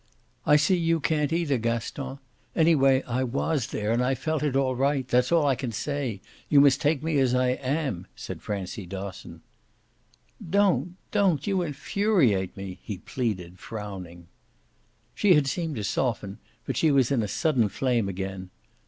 "I see you can't either, Gaston. Anyhow I WAS there and I felt it all right. That's all I can say. You must take me as I am," said Francie Dosson. "Don't don't; you infuriate me!" he pleaded, frowning. She had seemed to soften, but she was in a sudden flame again.